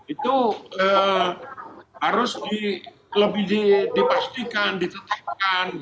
itu harus lebih dipastikan ditetapkan